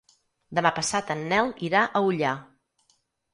Demà passat en Nel irà a Ullà.